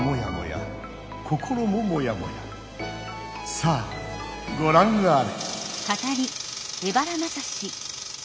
さあごらんあれ！